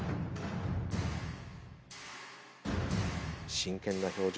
真剣な表情。